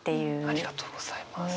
ありがとうございます。